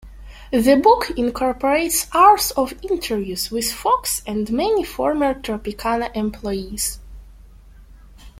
The book incorporates hours of interviews with Fox and many former Tropicana employees.